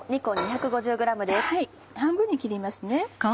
半分に切りますね